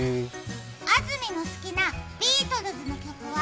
安住の好きなビートルズの曲は？